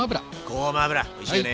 ごま油おいしいよね。